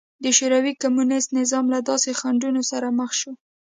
د شوروي کمونېست نظام له داسې خنډونو سره مخ شو